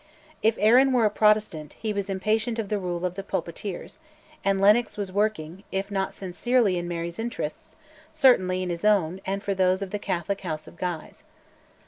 If Arran were a Protestant, he was impatient of the rule of the pulpiteers; and Lennox was working, if not sincerely in Mary's interests, certainly in his own and for those of the Catholic House of Guise.